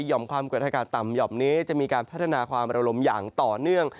่อมความกดอากาศต่ำหย่อมนี้จะมีการพัฒนาความระลมอย่างต่อเนื่อง